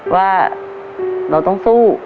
ว่าเราต้องสู้